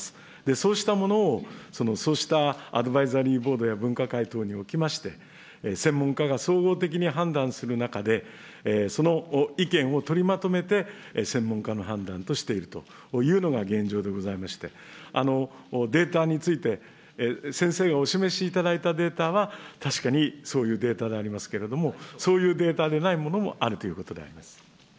そうしたものを、そうしたアドバイザリーボードや分科会等におきまして、専門家が総合的に判断する中で、その意見を取りまとめて、専門家の判断としているというのが現状でございまして、データについて、先生がお示しいただいたデータは、確かにそういうデータでありますけれども、そういうデータでないものもあるということであります。